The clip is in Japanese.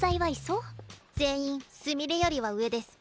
全員すみれよりは上デス。